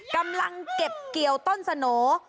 กำลังเก็บเกี่ยวต้นสโหน